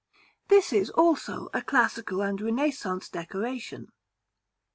This is, also, a Classical and Renaissance decoration.